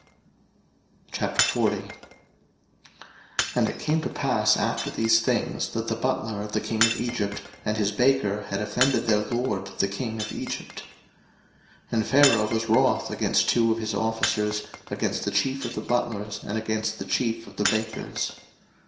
01:040:001 And it came to pass after these things, that the butler of the king of Egypt and his baker had offended their lord the king of Egypt. 01:040:002 And Pharaoh was wroth against two of his officers, against the chief of the butlers, and against the chief of the bakers.